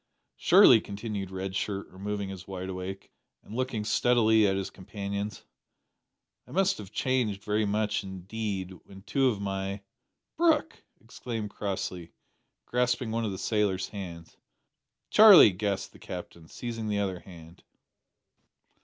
"Surely," continued Red Shirt, removing his wide awake, and looking steadily at his companions, "I must have changed very much indeed when two of my " "Brooke!" exclaimed Crossley, grasping one of the sailor's hands. "Charlie!" gasped the Captain, seizing the other hand.